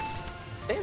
えっ？